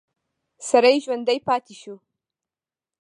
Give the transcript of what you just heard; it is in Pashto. سړی ژوندی پاتې شو.